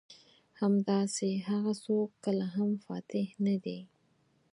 همداسې هغه څوک کله هم فاتح نه دي.